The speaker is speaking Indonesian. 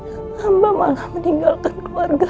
hamba malah meninggalkan keluarga